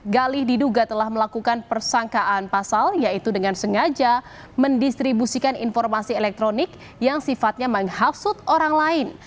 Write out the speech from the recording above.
gali diduga telah melakukan persangkaan pasal yaitu dengan sengaja mendistribusikan informasi elektronik yang sifatnya menghafusut orang lain